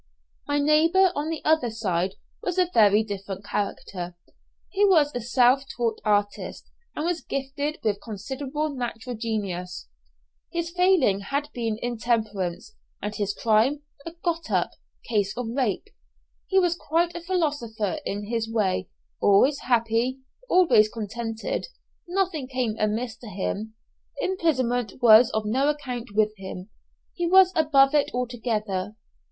My neighbour on the other side was a very different character. He was a self taught artist, and was gifted with considerable natural genius. His failing had been intemperance, and his crime a "got up" case of rape. He was quite a philosopher in his way, always happy, always contented; nothing came amiss to him. Imprisonment was of no account with him; he was above it altogether.